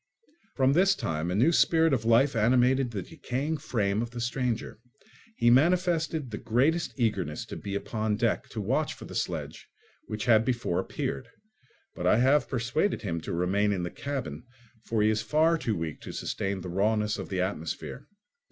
From this time a new spirit of life animated the decaying frame of the stranger. He manifested the greatest eagerness to be upon deck to watch for the sledge which had before appeared; but I have persuaded him to remain in the cabin, for he is far too weak to sustain the rawness of the atmosphere.